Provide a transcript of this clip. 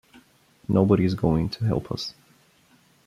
Nobody's going to help us.